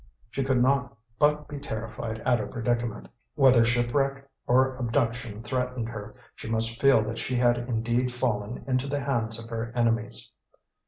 She could not but be terrified at her predicament. Whether shipwreck or abduction threatened her, she must feel that she had indeed fallen into the hands of her enemies.